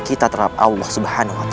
kita terhadap allah swt